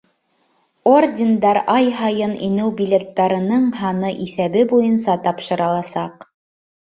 Ордендар ай һайын инеү билеттарының һаны иҫәбе буйынса тапшырыласаҡ.